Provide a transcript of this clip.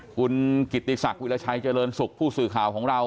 คุณกิติศักดิราชัยเจริญสุขผู้สื่อข่าวของเรา